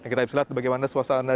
kita bisa lihat bagaimana suasana